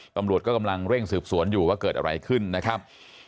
ตำรวจก็กำลังเร่งสืบสวนอยู่ว่าเกิดอะไรขึ้นนะครับ